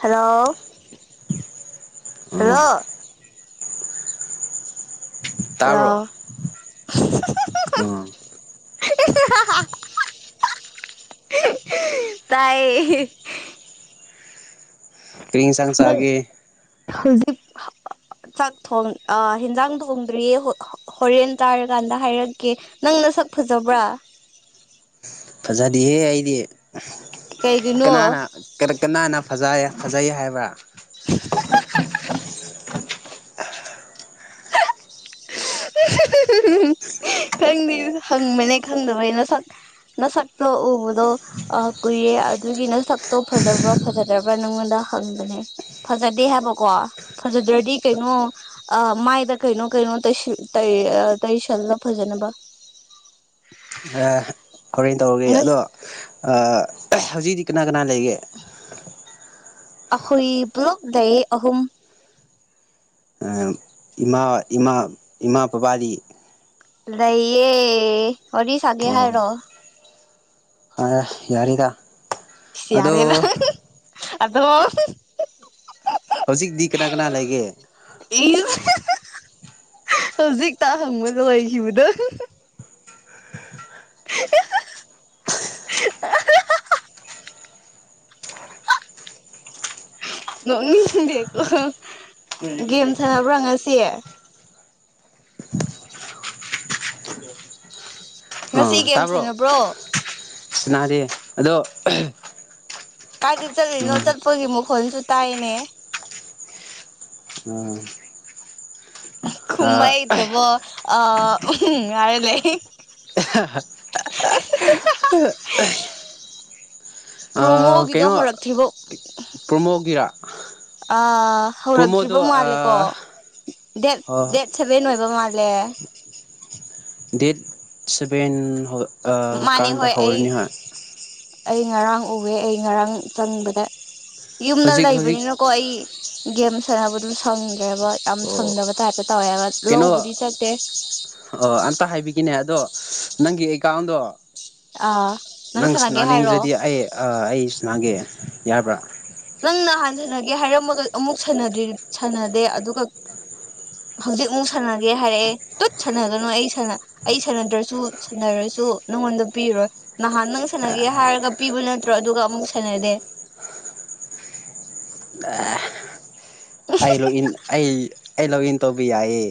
hello ꯑꯣ hello ꯇꯥꯕ꯭ꯔꯣ hello ꯑꯣ ꯇꯥꯏꯌ‌ꯦ ꯀꯩ ꯏꯟꯁꯥꯡ ꯆꯥꯒꯦ ꯍꯧꯖꯤꯛ ꯆꯥꯛ ꯊꯣꯡ ꯑꯥ ꯍꯤꯟꯖꯥꯡ ꯊꯣꯡꯗ꯭ꯔꯤꯌꯦ ꯍꯧ ꯍꯣꯔꯦꯟ ꯆꯥꯔꯀꯥꯟꯗ ꯍꯥꯏꯔꯛꯀꯦ ꯅꯪ ꯅꯁꯛ ꯐꯖꯕ꯭ꯔꯥ ꯐꯖꯗꯤꯌ‌ꯦ ꯑꯩꯗꯤ ꯀꯩꯒꯤꯅꯣ ꯀꯅꯥꯅ ꯀꯗꯛ ꯀꯅꯥꯅ ꯐꯖꯩ ꯐꯖꯩ ꯍꯥꯏꯕ꯭ꯔꯥ [unintelligible] [unintelligible] ꯈꯪꯗ‌ꯦ ꯍꯪꯕꯅꯦ ꯈꯪꯗꯕꯩ ꯅꯁꯛ ꯅꯁꯛꯇ‌ꯣ ꯎꯕꯗꯣ ꯑ ꯀꯨꯏꯌꯦ ꯑꯗꯨꯒꯤꯅ ꯅꯁꯛꯇꯣ ꯐꯖꯕ꯭ꯔꯥ ꯐꯖꯗꯕ꯭ꯔꯥ ꯅꯪꯉꯣꯟꯗ ꯍꯪꯕꯅꯦ ꯐꯖꯗꯦ ꯍꯥꯏꯕꯀꯣ ꯐꯖꯗ꯭ꯔꯗꯤ ꯀꯩꯅꯣ ꯑꯥ ꯃꯥꯏꯗ ꯀꯩꯅꯣ ꯀꯩꯅꯣ ꯇꯩꯁꯜ ꯇꯩ ꯑ ꯇꯩꯁꯜꯂ‌ꯣ ꯐꯖꯅꯕ ꯑꯥ ꯍꯣꯔꯦꯟ ꯇꯧꯔꯒꯦ ꯑꯗꯣ ꯑꯥ ꯍꯧꯖꯤꯛꯇꯤ ꯀꯅꯥ ꯀꯅꯥ ꯂꯩꯒꯦ ꯑꯈꯣꯏ ꯄꯨꯂꯞ ꯂꯩꯌꯦ ꯑꯍꯨꯝ ꯑꯝ ꯏꯃꯥ ꯏꯃꯥ ꯏꯃꯥ ꯕꯥꯕꯥꯗꯤ ꯂꯩꯌꯦ ꯋꯥꯔꯤ ꯁꯥꯒꯦ ꯍꯥꯏꯔꯣ ꯍꯥ ꯌꯥꯅꯤꯗ ꯁꯤ ꯌꯥꯔꯦ ꯅꯪ ꯑꯗꯣ ꯍꯧꯖꯤꯛꯇꯤ ꯀꯅꯥ ꯀꯅꯥ ꯂꯩꯒꯦ ꯏꯁ ꯍꯧꯖꯤꯛꯇ ꯍꯪꯕ ꯂꯣꯏꯈꯤꯕꯗꯣ [unintelligible] [inaudible] ꯅꯣꯛꯅꯤꯡꯗꯦꯀꯣ ꯒꯦꯝ ꯁꯥꯟꯅꯕ꯭ꯔꯥ ꯉꯁꯤ ꯑꯣ ꯉꯁꯤ ꯒꯦꯝ ꯇꯥꯕ꯭ꯔꯣ ꯁꯥꯟꯅꯕ꯭ꯔꯣ ꯁꯤꯅꯥꯔꯗꯤ ꯑꯗꯣ ꯀꯥꯏꯗ ꯆꯠꯂꯤꯅꯣ ꯆꯠꯄꯒꯤ ꯃꯈꯣꯟꯜꯁꯨ ꯇꯥꯏꯅꯦ ꯉꯥ ꯈꯨꯝꯕ ꯍꯩꯇ꯭ꯔꯕꯣ ꯑꯥ ꯎꯝꯍꯨꯝ ꯉꯥꯏꯔ ꯂꯩ [unintelligible] [unintelligible] ꯎꯝ ꯐ꯭ꯔꯣꯃꯣꯒꯤꯗꯣ ꯀꯩꯅꯣ ꯍꯧꯔꯛꯊꯤꯕꯣ ꯄ꯭ꯔꯣꯃꯣꯒꯤꯔꯥ ꯑ ꯍꯧꯔꯛꯇ꯭ꯔꯤꯕ ꯄ꯭ꯔꯣꯃꯣꯗꯣ ꯃꯥꯜꯂꯦꯀꯣ ꯗꯦꯠ ꯗꯦꯠ ꯁꯦꯚꯦꯟ ꯑꯣꯏꯕ ꯃꯥꯜꯂꯦ ꯗꯦꯠ ꯁꯚꯦꯟ ꯍꯣ ꯑ ꯃꯥꯅꯦ ꯀꯥꯟꯗ ꯍꯣꯏ ꯑꯩ ꯍꯧꯔꯅꯤ ꯍꯥꯏ ꯑꯩ ꯉꯔꯥꯡ ꯎꯋꯦ ꯑꯩ ꯉꯔꯥꯡ ꯆꯪꯕꯗ ꯌꯨꯝꯗ ꯍꯧꯖꯤꯛ ꯍꯧꯖꯤꯛ ꯂꯩꯕꯅꯤꯅ ꯀꯣ ꯑꯩ ꯒꯦꯝ ꯁꯥꯟꯅꯕꯗꯨ ꯁꯪꯗ꯭ꯔꯦꯕ ꯌꯥꯝ ꯑꯣ ꯁꯪꯗꯕ ꯇꯥꯏꯞꯇ ꯇꯧꯋꯦꯕ ꯂꯧꯕꯨꯗꯤ ꯆꯠꯇꯦ ꯑꯣ ꯑꯝꯇ ꯍꯥꯏꯕꯤꯒꯤꯅꯦ ꯑꯗꯣ ꯅꯪꯒꯤ ꯑꯦꯀꯥꯎꯟꯗꯣ ꯑꯥ ꯅꯪ ꯁꯥꯟꯅꯒꯦ ꯍꯥꯏꯔꯣ ꯁꯅꯥꯅꯤꯡꯗ꯭ꯔꯗꯤ ꯑꯩ ꯑ ꯑꯩ ꯁꯨꯅꯥꯒꯦ ꯌꯥꯕ꯭ꯔꯥ ꯅꯪ ꯅꯍꯥꯟ ꯁꯥꯅꯒꯦ ꯍꯥꯏꯔꯝꯃꯒ ꯑꯃꯨꯛ ꯁꯥꯟꯅꯗ꯭ꯔꯤ ꯁꯥꯅꯗꯦ ꯑꯗꯨꯒ ꯍꯧꯖꯤꯛ ꯑꯃꯨꯛ ꯁꯥꯅꯒꯦ ꯍꯥꯏꯔꯛꯑꯦ ꯇꯨꯠ ꯁꯥꯅꯒꯅꯨ ꯑꯩ ꯁꯥꯅ ꯑꯩ ꯁꯥꯅꯗ꯭ꯔꯁꯨ ꯁꯥꯟꯅꯔꯁꯨ ꯅꯪꯉꯣꯟꯗ ꯄꯤꯔꯣꯏ ꯅꯍꯥꯟ ꯅꯪ ꯁꯥꯅꯒꯦ ꯍꯥꯏꯔꯒ ꯄꯤꯕ ꯅꯠꯇ꯭ꯔꯣ ꯑꯗꯨꯒ ꯑꯃꯨꯛ ꯁꯥꯅꯗꯦ ꯑꯥ ꯑꯩ ꯂꯣꯛ ꯏꯟ ꯑꯩ ꯑꯩ ꯂꯣꯛ ꯏꯟ ꯇꯧꯕ ꯌꯥꯏꯌꯦ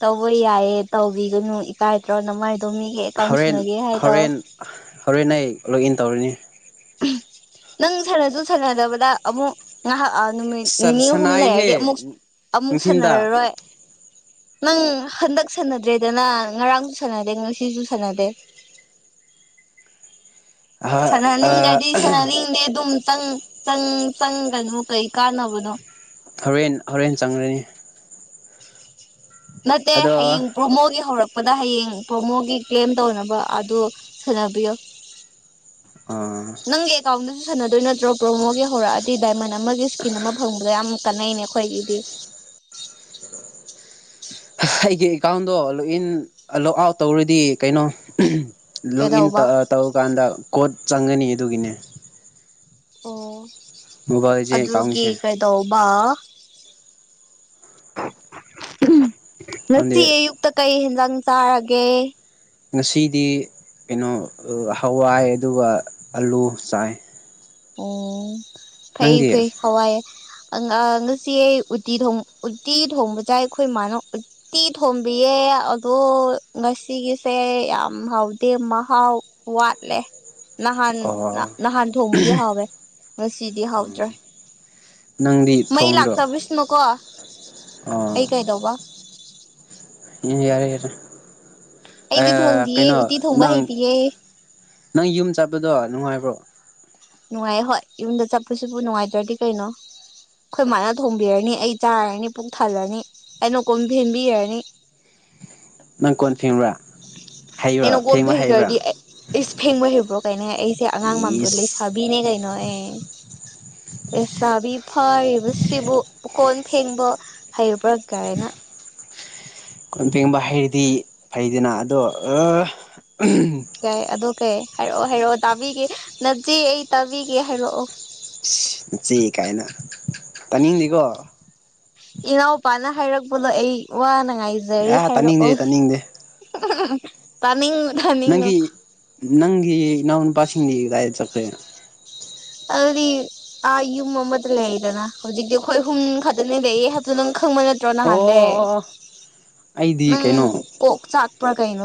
ꯇꯧꯕ ꯌꯥꯏꯌꯦ ꯇꯧꯕꯤꯒꯅꯨ ꯏꯀꯥꯏꯗ꯭ꯔꯣ ꯅꯃꯥꯏꯗꯣ ꯃꯤꯒꯤ ꯑꯦꯀꯥꯎꯟ ꯍꯣꯔꯦꯟ ꯁꯅꯒꯦ ꯍꯥꯏꯗꯣ ꯍꯣꯔꯦꯟ ꯍꯣꯔꯦꯟ ꯅ ꯂꯣꯛ ꯏꯟ ꯇꯧꯔꯅꯤ ꯅꯪ ꯁꯥꯅꯖꯨ ꯁꯥꯅꯗꯕꯗ ꯑꯃꯨꯛ ꯉꯥꯏꯍꯥꯛ ꯑ ꯅꯨꯃꯤꯠ ꯁꯔ ꯅꯤꯅꯤ ꯍꯨꯝ ꯁꯅꯥꯏꯍꯦ ꯂꯩꯔꯗꯤ ꯑꯃꯨꯛ ꯑꯃꯨꯛ ꯅꯨꯡꯊꯤꯟꯗ ꯁꯥꯅꯔꯔꯣꯏ ꯅꯪ ꯍꯟꯗꯛ ꯁꯥꯅꯗ꯭ꯔꯦꯗꯅ ꯉꯔꯥꯡꯁꯨ ꯁꯥꯅꯗꯦ ꯉꯁꯤꯖꯨ ꯁꯥꯅꯗꯦ ꯁꯥꯅꯅꯤꯡꯗ꯭ꯔꯗꯤ ꯁꯥꯅꯅꯤꯡꯗꯦ ꯑꯗꯨꯝ ꯆꯪ ꯆꯪ ꯆꯪꯒꯅꯨ ꯀꯩ ꯀꯥꯟꯅꯕꯅꯣ ꯍꯧꯔꯦꯟ ꯍꯧꯔꯦꯟ ꯆꯪꯂꯔꯅꯤ ꯅꯠꯇꯦ ꯑꯗꯣ ꯍꯌꯦꯡ ꯄ꯭ꯔꯣꯃꯣꯒꯤ ꯍꯧꯔꯛꯄꯗ ꯍꯌꯦꯡ ꯄ꯭ꯔꯣꯃꯣꯒꯤ ꯀ꯭ꯂꯦꯝ ꯇꯧꯅꯕ ꯑꯗꯨ ꯁꯥꯅꯕꯤꯌꯣ ꯑꯥ ꯅꯪꯒꯤ ꯑꯦꯀꯥꯎꯟꯗꯨꯖꯨ ꯁꯥꯅꯗꯣꯏ ꯅꯠꯇ꯭ꯔꯣ ꯄ꯭ꯔꯣꯃꯣꯒꯤ ꯍꯧꯔꯛꯑꯗꯤ ꯗꯥꯏꯃꯟ ꯑꯃꯒꯤ ꯏꯁꯀꯤꯟ ꯑꯃ ꯐꯪꯕꯗꯣ ꯌꯥꯝ ꯀꯥꯟꯅꯩꯅꯦ ꯈꯣꯏꯒꯤꯗꯤ ꯑꯩꯒꯤ ꯑꯦꯀꯥꯎꯟꯗꯣ ꯂꯣꯛꯏꯟ ꯑ ꯂꯣꯛ ꯑꯥꯎꯠ ꯇꯧꯔꯗꯤ ꯀꯩꯅꯣ ꯂꯣꯛꯏꯟ ꯀꯩꯗꯧꯕ ꯇꯧꯑ ꯇꯧꯀꯥꯟꯗ ꯀꯣꯠ ꯆꯪꯒꯅꯤ ꯑꯗꯨꯒꯤꯅꯦ ꯑꯣ ꯃꯣꯕꯥꯏꯜꯁꯦ ꯑꯗꯨꯒꯤ ꯑꯦꯀꯥꯎꯟꯁꯦ ꯀꯔꯤ ꯇꯧꯕ ꯈꯪꯗꯦ ꯉꯁꯤ ꯑꯌꯨꯛꯇ ꯀꯩ ꯍꯦꯟꯖꯥꯡ ꯆꯥꯔꯒꯦ ꯉꯁꯤꯗꯤ ꯀꯩꯅꯣ ꯑ ꯍꯋꯥꯏ ꯑꯗꯨꯒ ꯑꯂꯨ ꯆꯥꯏ ꯑꯣ ꯐꯩ ꯅꯪꯗꯤ ꯐꯩ ꯍꯋꯥꯏ ꯑꯪ ꯑ ꯉꯁꯤ ꯑꯩ ꯎꯇꯤ ꯊꯣꯡ ꯎꯇꯤ ꯊꯣꯡꯕ ꯆꯥꯏ ꯈꯣꯏꯃꯅ ꯎꯠ ꯇꯤ ꯊꯣꯝꯕꯤꯌꯦ ꯑꯗꯣ ꯉꯁꯤꯒꯤꯁꯦ ꯌꯥꯝ ꯍꯥꯎꯗꯦ ꯃꯍꯥꯎ ꯋꯥꯠꯂꯦ ꯅꯍꯥꯟ ꯅ ꯑꯣ ꯅꯍꯥꯟ ꯊꯣꯡꯕꯗꯤ ꯍꯥꯎꯋꯦ ꯉꯁꯤꯗꯤ ꯍꯥꯎꯗ꯭ꯔꯦ ꯅꯪꯗꯤ ꯃꯩ ꯊꯣꯡꯗ꯭ꯔꯣ ꯂꯥꯛꯇꯕꯁꯤꯅꯣꯀꯣ ꯑꯩ ꯀꯩꯗꯧꯕ ꯌꯦ ꯌꯥꯔꯦ ꯌꯥꯔꯦ ꯑꯩꯗꯤ ꯊꯣꯡꯗꯤꯌꯦ ꯀꯩꯅꯣ ꯎꯇꯤ ꯊꯣꯡꯕ ꯅꯪ ꯍꯩꯇꯤꯌꯦ ꯅꯪ ꯌꯨꯝ ꯆꯠꯄꯗꯣ ꯅꯨꯡꯉꯥꯏꯕ꯭ꯔꯣ ꯅꯨꯡꯉꯥꯏꯌꯦ ꯍꯣꯏ ꯌꯨꯝꯗ ꯆꯠꯄꯁꯤꯕꯨ ꯅꯨꯡꯉꯥꯏꯇ꯭ꯔꯗꯤ ꯀꯩꯅꯣ ꯑꯩꯈꯣꯏ ꯃꯥꯅ ꯊꯣꯡꯕꯤꯔꯅꯤ ꯑꯩ ꯆꯥꯔꯅꯤ ꯄꯨꯛ ꯊꯜꯂꯅꯤ ꯑꯩꯅ ꯀꯣꯟ ꯐꯦꯡꯕꯤꯔꯅꯤ ꯅꯪ ꯀꯣꯟ ꯐꯦꯡꯕꯔ ꯑꯩꯅ ꯀꯣꯟꯝ ꯐꯦꯡꯗ꯭ꯔꯗꯤ ꯑꯩ ꯏꯁ ꯐꯦꯡꯕ ꯍꯩꯕ꯭ꯔꯣ ꯀꯥꯏꯅ ꯑꯩꯁꯦ ꯑꯉꯥꯡ ꯃꯥꯟꯕ꯭ꯔꯣ ꯂꯩꯁꯥ ꯏꯁ ꯕꯤꯅꯦ ꯀꯩꯅꯣ ꯑꯩ ꯂꯩꯁꯥꯕꯤ ꯐꯥꯔꯤꯕꯁꯤꯕꯨ ꯎꯀꯣꯟ ꯐꯦꯡꯕ ꯍꯩꯕ꯭ꯔꯥ ꯀꯥꯏꯅ ꯀꯣꯟ ꯐꯦꯡꯕ ꯍꯩꯔꯗꯤ ꯐꯩꯗꯅ ꯑꯗꯣ ꯑ ꯀꯩ ꯑꯗꯣ ꯀꯩ ꯍꯥꯏꯔꯛꯑꯣ ꯍꯥꯏꯔꯛꯑꯣ ꯇꯥꯕꯤꯒꯦ ꯅꯆꯦ ꯑꯩ ꯇꯥꯕꯤꯒꯦ ꯍꯥꯏꯔꯛꯑꯣ ꯏꯆꯦ ꯀꯥꯏꯅ ꯇꯥꯅꯤꯡꯗꯦꯀꯣ ꯏꯅꯥꯎꯄꯥꯅ ꯍꯥꯏꯔꯛꯄꯗꯣ ꯑꯩ ꯋꯥꯅ ꯉꯥꯏꯖꯔꯤ ꯑꯦ ꯇꯥꯅꯤꯡꯗꯦ ꯍꯥꯏꯔꯛꯑꯣ ꯇꯥꯅꯤꯡꯗꯦ ꯇꯥꯅꯤꯡꯉꯨ ꯇꯥꯅꯤꯡꯉꯨ ꯅꯪꯒꯤ ꯅꯪꯒꯤ ꯏꯅꯥꯎ ꯅꯨꯄꯥꯁꯤꯡꯗꯤ ꯀꯗꯥꯏꯗ ꯆꯠꯈ꯭ꯔꯦ ꯑꯗꯨꯗꯤ ꯑ ꯌꯨꯝ ꯑꯃꯗ ꯂꯩꯗꯅ ꯍꯧꯖꯤꯛꯇꯤ ꯑꯩꯈꯣꯏ ꯍꯨꯝ ꯈꯛꯇꯅꯦ ꯂꯩꯌꯦ ꯍ [unintelligible] ꯅꯪ ꯈꯪꯕ ꯅꯠꯇ꯭ꯔꯣ ꯑꯣ ꯑꯣ ꯅꯍꯥꯟꯗꯩ ꯑꯣ ꯑꯣ ꯑꯩꯗꯤ ꯅꯪ ꯀꯩꯅꯣ ꯀꯣꯛ ꯆꯥꯛꯄꯔ ꯀꯩꯅꯣ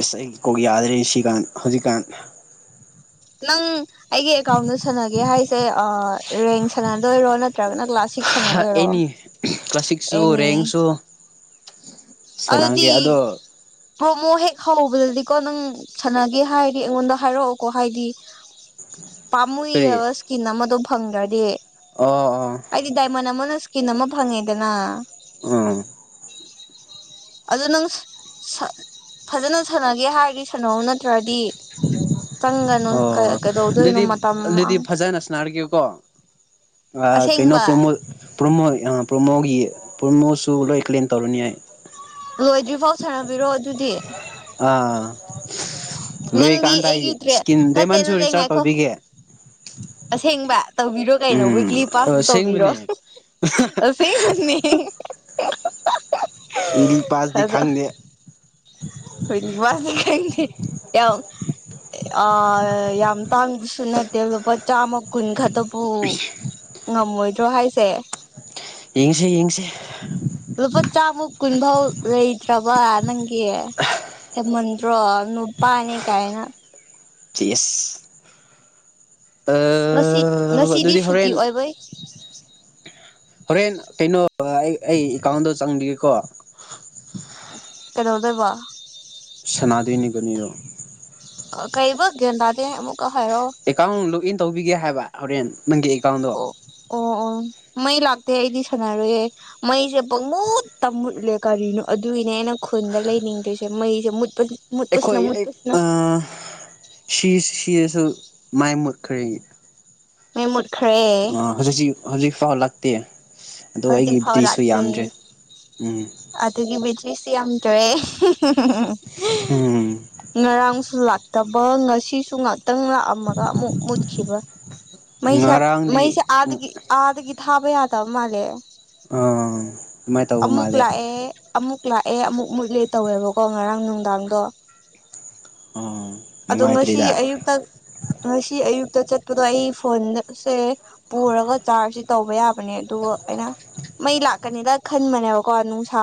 ꯑꯁ ꯑꯩ ꯀꯣꯛ ꯌꯥꯗ꯭ꯔꯦ ꯁꯤꯀꯥꯟ ꯍꯧꯖꯤꯛꯀꯥꯟ ꯅꯪ ꯑꯩꯒꯤ ꯑꯦꯀꯥꯎꯟꯗ ꯁꯥꯟꯅꯒꯦ ꯍꯥꯏꯁꯦ ꯑꯥ ꯔꯦꯡ ꯁꯥꯟꯅꯗꯣꯏꯔꯣ ꯅꯠꯇ꯭ꯔꯒꯅ ꯀ꯭ꯂꯥꯁꯤꯛ ꯑꯦꯅꯤ ꯀ꯭ꯂꯥꯁꯤꯛꯁꯨ ꯑꯦꯅꯤ ꯔꯦꯡꯁꯨ ꯑꯗꯨꯗꯤ ꯁꯅꯥꯒꯦ ꯑꯗꯣ ꯄ꯭ꯔꯣꯃꯣ ꯍꯦꯛ ꯍꯧꯕꯗꯗꯤꯀꯣ ꯅꯪ ꯁꯥꯟꯅꯒꯦ ꯍꯥꯏꯔꯗꯤ ꯑꯩꯉꯣꯟꯗ ꯍꯥꯏꯔꯛꯑꯣꯀꯣ ꯍꯥꯏꯗꯤ ꯀꯔꯤ ꯄꯥꯝꯃꯨꯏꯌꯦꯕ ꯏꯁꯀꯤꯟ ꯑꯃꯗꯣ ꯐꯪꯗꯔꯗꯤ ꯑꯣ ꯑꯣ ꯑꯣ ꯍꯥꯏꯗꯤ ꯗꯥꯏꯃꯟ ꯑꯃꯅ ꯏꯁꯀꯤꯟ ꯑꯃ ꯐꯪꯉꯦꯗꯅ ꯑꯥ ꯑꯗꯣ ꯅꯪ ꯁ ꯐꯖꯅ ꯁꯥꯟꯅꯒꯦ ꯍꯥꯏꯔꯗꯤ ꯁꯥꯟꯅꯧ ꯅꯠꯇ꯭ꯔꯗꯤ ꯆꯪꯒꯅꯨ ꯀ ꯑꯣ ꯑꯗꯨꯗꯤ ꯑꯗꯨꯗꯤ ꯐꯖꯅ ꯁꯅꯥꯔꯒꯦꯀꯣ ꯑ ꯀꯩꯅꯣ ꯑꯁꯦꯡꯕ ꯄ꯭ꯔꯣꯃꯣꯠ ꯄ꯭ꯔꯣꯃꯣ ꯄ꯭ꯔꯣꯃꯣꯒꯤ ꯄ꯭ꯔꯣꯃꯣꯁꯨ ꯂꯣꯏ ꯀ꯭ꯂꯦꯝ ꯇꯧꯔꯅꯤ ꯑꯩ ꯂꯣꯏꯗ꯭ꯔꯤꯐꯥꯎ ꯁꯥꯟꯅꯕꯤꯔꯣ ꯑꯗꯨꯗꯤ ꯑꯥ ꯅꯪꯗꯤ ꯂꯣꯏꯀꯥꯟꯗ ꯑꯩ ꯑꯩꯒꯤ ꯇ꯭ꯔꯦ ꯏꯁꯀꯤꯟ ꯅꯠꯇꯦ ꯗꯥꯏꯃꯟꯁꯨ ꯅꯠꯇꯦ ꯔꯤꯆꯥꯔꯖ ꯉꯥꯏꯈꯣ ꯇꯧꯕꯤꯒꯦ ꯑꯁꯦꯡꯕ ꯇꯧꯕꯤꯔꯣ ꯀꯩꯅꯣ ꯎꯝ ꯋꯤꯛꯂꯤ ꯄꯥꯁꯁꯨ ꯇꯧꯕꯤꯔꯣ ꯑꯁꯦꯡꯕꯅꯦ ꯑꯁꯦꯡꯕꯅꯦ [unintelligible] ꯄꯥꯜꯗꯤ ꯈꯪꯗꯦ ꯈꯣꯏꯗꯤ ꯋꯥꯁꯨ ꯈꯪꯗꯦ ꯌꯥꯝ ꯑ ꯌꯥꯝ ꯇꯥꯡꯕꯁꯨ ꯅꯠꯇꯦ ꯂꯨꯄꯥ ꯆꯥꯝꯃ ꯀꯨꯟ ꯈꯠꯇꯄꯨ ꯉꯝꯃꯣꯏꯗ꯭ꯔꯣ ꯍꯥꯏꯁꯦ ꯌꯦꯡꯁꯦ ꯌꯦꯡꯁꯦ ꯂꯨꯄꯥ ꯆꯥꯃꯨꯛ ꯀꯨꯟꯕꯥꯎ ꯂꯩꯇ꯭ꯔꯕ ꯅꯪꯒꯤ ꯍꯦꯟꯃꯟꯗ꯭ꯔꯣ ꯅꯨꯄꯥꯅꯤ ꯀꯥꯏꯅ ꯆꯦꯁ ꯉꯁꯤ ꯉꯁꯤꯗꯤ ꯑꯗꯨꯗꯤ ꯁꯨꯇꯤ ꯍꯣꯔꯦꯟ ꯑꯣꯏꯕꯩ ꯍꯣꯔꯦꯟ ꯀꯩꯅꯣ ꯑꯩ ꯑꯩ ꯑꯦꯀꯥꯎꯟꯗꯣ ꯆꯪꯕꯤꯌꯨꯀꯣ ꯀꯩꯗꯧꯗꯣꯏꯕ ꯁꯅꯥꯗꯣꯏꯅꯤ ꯀꯔꯤꯔ ꯀꯩꯕ ꯒ꯭ꯌꯥꯟ ꯇꯥꯗꯦ ꯑꯃꯨꯛꯀ ꯍꯥꯏꯔꯛꯑꯣ ꯑꯦꯀꯥꯎꯟ ꯂꯣꯛꯏꯟ ꯇꯧꯕꯤꯒꯦ ꯍꯥꯏꯕ ꯍꯣꯔꯦꯟ ꯅꯪꯒꯤ ꯑꯦꯀꯥꯎꯟꯗꯣ ꯑꯣ ꯑꯣ ꯑꯣ ꯃꯩ ꯂꯥꯛꯇꯦ ꯑꯩꯗꯤ ꯁꯥꯟꯅꯔꯣꯏꯌꯦ ꯃꯩꯁꯦ ꯄꯡ ꯃꯨꯠꯇ ꯃꯨꯠꯂꯦ ꯀꯔꯤꯅꯣ ꯑꯗꯨꯒꯤꯅꯦ ꯑꯩꯅ ꯈꯨꯟꯗ ꯂꯩꯅꯤꯡꯗꯔꯤꯁꯦ ꯃꯩꯁꯦ ꯃꯨꯠꯄ ꯃꯨꯠꯄꯁꯤꯅ ꯑꯩꯈꯣꯏ ꯃꯨꯠꯄꯁꯤꯅ ꯁꯤ ꯁꯤꯗꯁꯨ ꯃꯩ ꯃꯨꯠꯈ꯭ꯔꯦ ꯃꯩ ꯃꯨꯠꯈꯔꯦ ꯍꯧꯖꯤꯛꯁꯨ ꯍꯧꯖꯤꯛꯐꯥꯎ ꯂꯥꯛꯇꯦ ꯑꯗꯣ ꯍꯧꯖꯤꯛ ꯑꯩꯒꯤ ꯐꯥꯎ ꯕꯦꯇꯔꯤꯁꯨ ꯂꯥꯛꯇꯦ ꯌꯥꯝꯗ꯭ꯔꯦ ꯎꯝ ꯑꯗꯨꯒꯤ ꯕꯦꯇꯔꯤꯁꯤ ꯌꯥꯝꯗꯔꯦ ꯎꯝ ꯉꯔꯥꯡꯁꯨ ꯂꯥꯛꯇꯕ ꯉꯁꯤꯁꯨ ꯉꯥꯛꯇꯪ ꯂꯥꯛꯑꯝꯃꯒ ꯑꯃꯨꯛ ꯃꯨꯠꯈꯤꯕ ꯃꯩꯁꯦ ꯉꯔꯥꯡꯗꯤ ꯃꯩꯁꯦ ꯑꯥꯗꯒꯤ ꯑꯥꯗꯒꯤ ꯊꯥꯕ ꯌꯥꯗꯕ ꯃꯥꯜꯂꯦ ꯑꯥ ꯑꯗꯨꯃꯥꯏꯅ ꯇꯧꯕ ꯑꯃꯨꯛ ꯃꯥꯜꯂꯦ ꯂꯥꯛꯑꯦ ꯑꯃꯨꯛ ꯂꯥꯛꯑꯦ ꯑꯃꯨꯛ ꯃꯨꯠꯂꯦ ꯇꯧꯋꯦꯕꯀꯣ ꯉꯔꯥꯡ ꯅꯨꯡꯗꯥꯡꯗꯣ ꯑꯥ ꯑꯗꯣ ꯉꯁꯤ ꯅꯨꯡꯉꯥꯏꯇ꯭ꯔꯤꯗ ꯑꯌꯨꯛꯇ ꯉꯁꯤ ꯑꯌꯨꯛꯇ ꯆꯠꯄꯗꯣ ꯑꯩ ꯐꯣꯟꯁꯦ ꯄꯨꯔꯒ ꯆꯥꯔꯖꯇꯤ ꯇꯧꯕ ꯌꯥꯕꯅꯦ ꯑꯗꯨꯒ ꯑꯩꯅ ꯃꯩ ꯂꯥꯛꯀꯅꯤꯗ ꯈꯟꯕꯅꯦꯕꯀꯣ ꯅꯨꯡꯁꯥ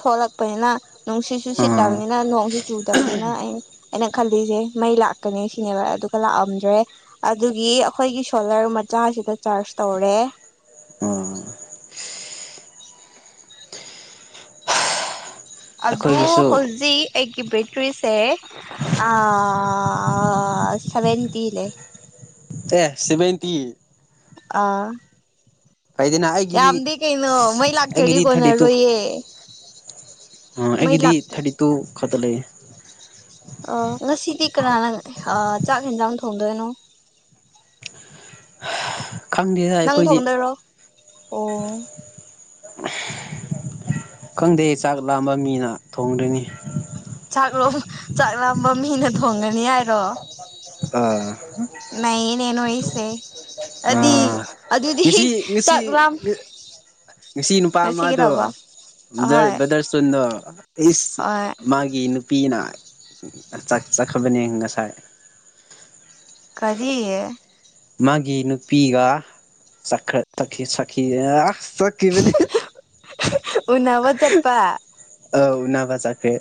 ꯊꯣꯛꯂꯛꯄꯅꯤꯅ ꯅꯨꯡꯁꯤꯠꯁꯨ ꯑꯥ ꯁꯤꯠꯇꯕꯅꯤꯅ ꯅꯣꯡꯁꯨ ꯆꯨꯗꯕꯅꯤꯅ ꯑꯩ ꯑꯩꯅ ꯈꯜꯂꯤꯁꯦ ꯃꯩ ꯂꯥꯛꯀꯅꯤ ꯁꯤꯅꯦꯕ ꯑꯗꯨꯒ ꯂꯥꯛꯑꯝꯗ꯭ꯔꯦ ꯑꯗꯨꯒꯤ ꯑꯩꯈꯣꯏꯒꯤ ꯁꯣꯂꯔ ꯃꯆꯥꯁꯤꯗ ꯆꯥꯔꯖ ꯇꯧꯔꯦ ꯎꯝ ꯑꯗꯨ ꯑꯩꯈꯣꯏꯒꯤꯁꯨ ꯍꯧꯖꯤꯛ ꯑꯩꯒꯤ ꯕꯦꯇ꯭ꯔꯤꯁꯦ ꯁꯚꯦꯟꯇꯤ ꯂꯩ ꯑꯦ ꯁꯚꯦꯟꯇꯤ ꯑꯥ ꯐꯩꯗꯅ ꯑꯩꯒꯤꯗꯤ ꯌꯥꯝꯗꯦ ꯀꯩꯅꯣ ꯃꯩ ꯂꯥꯛꯇꯔꯗꯤ ꯑꯩꯒꯤꯗꯤ ꯀꯣꯟꯅꯔꯣꯏꯌꯦ ꯑꯣ ꯃꯩ ꯑꯩꯒꯤꯗꯤ ꯂꯥꯛꯇ꯭ꯔꯗꯤ ꯊꯥꯔꯇꯤ ꯇꯨ ꯈꯛꯇ ꯂꯩꯌꯦ ꯑ ꯉꯁꯤꯗꯤ ꯀꯅꯥꯅ ꯆꯥꯛ ꯌꯦꯟꯖꯥꯡ ꯊꯣꯡꯗꯣꯏꯅꯣ ꯈꯪꯗꯦꯗ ꯅꯪ ꯑꯩꯈꯣꯏꯗꯤ ꯊꯣꯡꯗꯣꯏꯔꯣ ꯑꯣ ꯈꯪꯗꯦ ꯆꯥꯛ ꯂꯥꯝꯕ ꯃꯤꯅ ꯊꯣꯡꯗꯣꯏꯅꯤ ꯆꯥꯛꯂꯣ ꯆꯥꯛ ꯂꯥꯝꯕ ꯃꯤꯅ ꯊꯣꯡꯒꯅꯤ ꯍꯥꯏꯔꯣ ꯑꯥ ꯅꯩꯅꯦ ꯅꯣꯏꯁꯦ ꯑꯗꯨꯗꯤ ꯑꯥ ꯑꯗꯨꯗꯤ ꯉꯁꯤ ꯉꯁꯤ ꯆꯥꯛ ꯂꯥꯝ ꯉꯁꯤ ꯅꯨꯄꯥ ꯑꯃꯗꯣ ꯕꯗꯔ ꯑꯍꯣꯏ ꯕꯗꯔ ꯁꯇꯣꯟꯗꯣ ꯏꯁ ꯍꯣꯏ ꯃꯥꯒꯤ ꯅꯨꯄꯤꯅ ꯆꯠꯈ꯭ꯔꯕꯅꯦ ꯉꯁꯥꯏ ꯀꯔꯤ ꯃꯥꯒꯤ ꯅꯨꯄꯤꯒ [unintelligible] ꯆꯠꯈꯤꯕꯅꯤ ꯎꯅꯕ ꯆꯠꯄ ꯑꯧ ꯎꯅꯕ ꯆꯠꯈ꯭ꯔꯦ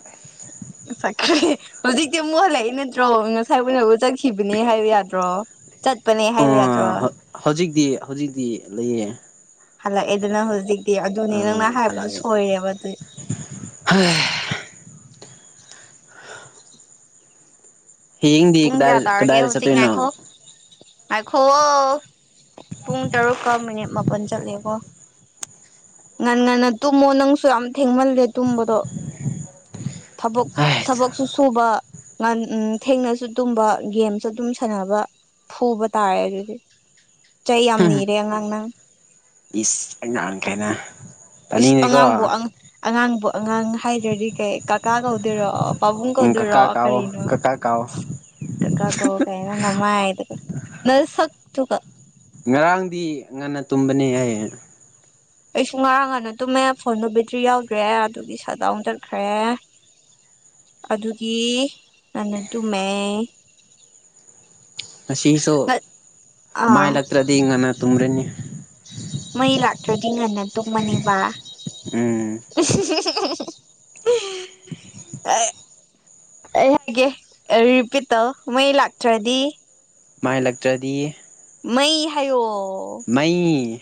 ꯆꯠꯈ꯭ꯔꯦ ꯍꯧꯖꯤꯛꯇꯤ ꯑꯃꯨꯛ ꯍꯜꯂꯛꯏ ꯅꯠꯇ꯭ꯔꯣ ꯉꯁꯥꯏꯕꯨ ꯑꯣꯏꯅꯕꯨ ꯆꯠꯈꯤꯕꯅꯦ ꯍꯥꯏꯕ ꯌꯥꯗ꯭ꯔꯣ ꯆꯠꯄꯅꯦ ꯍꯥꯏꯌꯣ ꯑꯥ ꯍꯧꯖꯤꯛꯇꯤ ꯍꯧꯖꯤꯛꯇꯤ ꯂꯩꯌꯦ ꯍꯜꯂꯛꯑꯦ ꯑꯗꯅ ꯍꯧꯖꯤꯛꯇꯤ ꯑꯗꯨꯅꯦ ꯅꯪꯅ ꯍꯥꯏꯕꯗꯨ ꯁꯣꯏꯔꯦꯕ ꯑꯗꯨ ꯍꯣꯏ ꯍꯌꯦꯡꯗꯤ ꯄꯨꯡ ꯀꯗꯥꯏ ꯀꯌꯥ ꯇꯥꯔꯒꯦ ꯀꯗꯥꯏꯗ ꯍꯧꯖꯤꯛ ꯆꯠꯇꯣꯏꯅꯣ ꯉꯥꯏꯈꯣꯛ ꯉꯥꯏꯈꯨꯋ‌ꯣ ꯄꯨꯡ ꯇꯔꯨꯛꯀ ꯃꯤꯅꯤꯠ ꯃꯥꯄꯜ ꯆꯠꯂꯦꯀꯣ ꯉꯥꯟ ꯉꯟꯅ ꯇꯨꯝꯃꯣ ꯅꯪꯁꯨ ꯌꯥꯝ ꯊꯦꯡꯃꯜꯂꯦ ꯇꯨꯝꯕꯗꯣ ꯊꯕꯛ ꯍꯥꯏ ꯊꯕꯛ ꯁꯨ ꯁꯨꯕ ꯉꯟ ꯎꯃ ꯊꯦꯡꯅꯁꯨ ꯇꯨꯝꯕ ꯒꯦꯝꯁꯨ ꯑꯗꯨꯝ ꯁꯥꯟꯅꯕ ꯐꯨꯕ ꯇꯥꯔꯦ ꯑꯗꯨꯗꯤ ꯆꯩ ꯌꯥꯝ ꯅꯤꯔꯦ ꯑꯉꯥꯡ ꯅꯪ ꯏꯁ ꯑꯉꯥꯡ ꯀꯥꯏꯅ ꯏꯁ ꯑꯉꯥꯡꯕꯨ ꯑ ꯑꯉꯥꯡꯕꯨ ꯑꯉꯥꯡ ꯍꯥꯏꯗ꯭ꯔꯗꯤ ꯀꯩ ꯀꯥꯀꯥ ꯀꯧꯗꯣꯏꯔꯣ ꯄꯕꯨꯨꯡ ꯎꯝ ꯀꯧꯗꯨꯏ ꯔꯣ ꯀꯀꯥ ꯀꯥꯎꯑꯣ ꯀꯔꯤꯅꯣ ꯀꯀꯥ ꯀꯥꯎꯑꯣ ꯀꯥ ꯀꯥ ꯀꯧ ꯀꯥꯏꯅ ꯅꯪ ꯅꯃꯥꯏꯗꯨꯗ ꯅꯁꯛ ꯇꯨ ꯀ ꯉꯔꯥꯡꯗꯤ ꯉꯟꯅ ꯇꯨꯝꯕꯅꯦ ꯑꯩ ꯑꯩꯁꯨ ꯉꯔꯥꯡ ꯉꯥꯟꯅ ꯇꯨꯝꯃꯦ ꯐꯣꯟꯗꯣ ꯕꯦꯇ꯭ꯔꯤ ꯌꯥꯎꯗ꯭ꯔꯦ ꯑꯗꯨꯒꯤ ꯁꯠ ꯗꯥꯎꯟ ꯆꯠꯈ꯭ꯔꯦ ꯑꯗꯨꯒꯤ ꯉꯟꯅ ꯇꯨꯝꯃꯦ ꯉꯁꯤꯁꯨ ꯑꯥ ꯃꯥꯏꯂꯛꯇ꯭ꯔꯗꯤ ꯉꯟꯅ ꯇꯨꯝꯔꯅꯤ ꯃꯩ ꯂꯥꯛꯇ꯭ꯔꯗꯤ ꯉꯟꯅ ꯇꯨꯝꯃꯅꯤꯕ ꯎꯝ [unintelligible] ꯑ ꯑꯩ ꯍꯥꯏꯒꯦ ꯔꯤꯄꯤꯠ ꯇꯧ ꯃꯩ ꯂꯥꯛꯇ꯭ꯔꯗꯤ ꯃꯥꯏꯂꯛꯇ꯭ꯔꯗꯤ ꯃꯩ ꯍꯥꯏꯌꯣ ꯃꯩ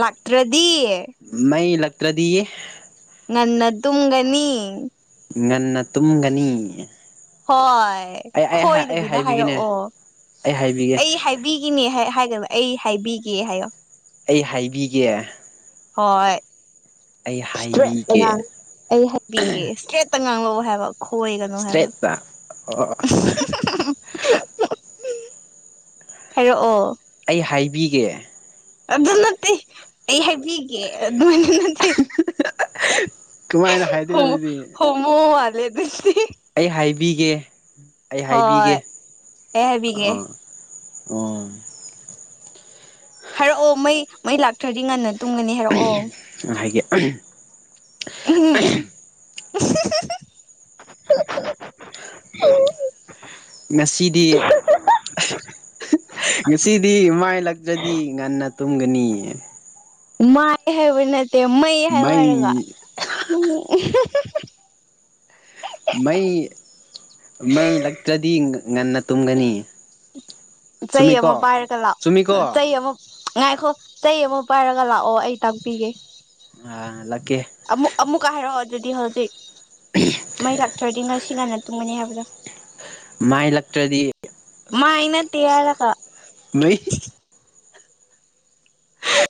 ꯂꯥꯛꯇ꯭ꯔꯗꯤ ꯃꯩ ꯂꯛꯇ꯭ꯔꯗꯤ ꯉꯟꯅ ꯇꯨꯝꯒꯅꯤ ꯉꯟꯅ ꯇꯨꯝꯒꯅꯤ ꯍꯣꯏ ꯑꯩ ꯑꯩ ꯑꯩ ꯈꯣꯏꯗꯕꯤꯅ ꯍꯥꯏꯕꯤꯒꯦꯅꯦ ꯍꯥꯏꯔꯛꯑꯣ ꯑꯩ ꯍꯥꯏꯕꯤꯒꯦ ꯑꯩ ꯍꯥꯏ ꯕꯤꯒꯤꯅꯦ ꯍꯥꯏ ꯍꯥꯏꯒꯕ ꯑꯩ ꯍꯥꯏꯕꯤꯒꯦ ꯍꯥꯏꯌꯣ ꯑꯩ ꯍꯥꯏꯕꯤꯒꯦ ꯍꯣꯏ ꯑꯩ ꯏꯁꯇꯦ ꯇꯩꯅ ꯍꯥꯏꯕꯤꯒꯦ ꯑꯩ ꯍꯥꯏ ꯕꯤꯒꯤ ꯏꯁꯇ꯭ꯔꯦꯠꯇ ꯉꯥꯡꯉꯛ‌ꯑ‌ꯣ ꯍꯥꯏꯕ ꯈꯣꯏꯒꯅꯣ ꯍꯥꯏꯕ ꯏꯁꯇ꯭ꯔꯦꯠꯇ ꯑꯣ ꯊꯥꯏꯔꯛꯑꯣ ꯑꯩ ꯍꯥꯏꯕꯤꯒꯦ ꯑꯗꯨ ꯅꯠꯇꯦ ꯑꯩ ꯍꯥꯏꯕꯤꯒꯦ ꯑ‌ꯦ ꯑꯗꯨ ꯅꯠꯇ‌ꯦ ꯀꯃꯥꯏꯅ ꯍꯥꯏꯗꯣꯏꯅꯣ ꯍꯧ ꯑꯗꯨꯗꯤ ꯍꯧ ꯑꯃ ꯋꯥꯠꯂ‌ꯦ ꯑꯗꯨꯁꯤꯍꯤ ꯑꯩ ꯍꯥꯏꯕꯤꯒꯦ ꯑꯩ ꯍꯣꯏ ꯍꯥꯏꯕꯤꯒꯦ ꯑꯩ ꯍꯥꯏꯕꯤꯒꯦ ꯑꯥ ꯑ ꯍꯥꯏꯔꯛꯑꯣ ꯃꯩ ꯃꯩ ꯂꯥꯛꯇ꯭ꯔꯗꯤ ꯉꯟꯅ ꯇꯨꯝꯒꯅꯤ ꯍꯥꯏꯔꯛꯑꯣ ꯎ ꯍꯥꯏꯒ‌ꯦ ꯎꯝ [unintelligible] ꯉꯁꯤꯗꯤ ꯉꯁꯤꯗꯤ ꯃꯥꯏꯂꯛꯇ꯭ꯔꯗꯤ ꯉꯟꯅ ꯇꯨꯝꯒꯅꯤ ꯃꯥꯏ ꯍꯥꯏꯕ ꯅꯠꯇꯦ ꯃꯩ ꯍꯥꯏꯌꯣ ꯍꯥꯏꯔꯒ ꯎꯝ [unintelligible] ꯃꯩ ꯃꯩ ꯂꯛꯇ꯭ꯔꯗꯤ ꯉ ꯉꯟꯅ ꯇꯨꯝꯒꯅꯤ ꯆꯨꯝꯃꯤꯀꯣ ꯆꯨꯝꯃꯤꯀꯣ ꯑꯃꯨꯛ ꯉꯥꯏꯈꯣ ꯆꯩ ꯑꯃ ꯄꯥꯏꯔꯒ ꯂꯥꯛꯑꯣ ꯑꯩ ꯇꯥꯛꯄꯤꯒꯦ ꯑꯥ ꯂꯥꯛꯀꯦ ꯑꯃꯨꯛ ꯑꯃꯨꯛꯀ ꯍꯥꯏꯔꯛꯑꯣ ꯑꯗꯨꯗꯤ ꯍꯧꯖꯤꯛ ꯃꯩ ꯂꯥꯛꯇꯔꯗꯤ ꯉꯁꯤ ꯉꯟꯅ ꯇꯨꯝꯃꯅꯤ ꯍꯥꯏꯕꯗꯣ ꯃꯥꯏ ꯂꯛꯇ꯭ꯔꯗꯤ ꯃꯥ ꯑꯩꯅ ꯇꯌꯥꯔ ꯍꯥꯏꯔꯒ ꯃꯩ